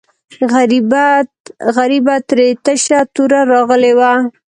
غریبه ترې تشه توره راغلې وه.